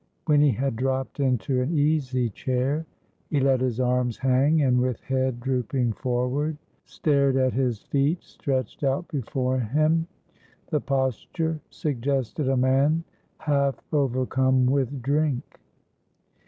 When he had dropped into an easy chair, he let his arms hang, and, with head drooping forward, stared at his feet stretched out before him: the posture suggested a man half overcome with drink.